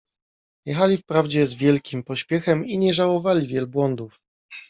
Jechali wprawdzie z wielkim pośpiechem i nie żałowali wielbłądów.